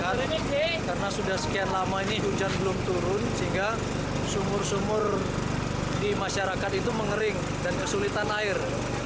karena sudah sekian lama ini hujan belum turun sehingga sumur sumur di masyarakat itu mengering dan kesulitan air